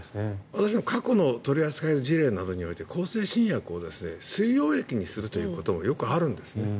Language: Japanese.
私も過去の取り扱い事例において向精神薬を水溶液にするということもよくあるんですね。